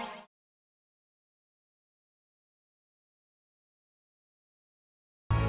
kelpa saja belom